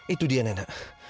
itu dia nena